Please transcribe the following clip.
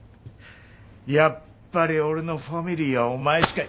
やっぱり俺のファミリーはお前しか。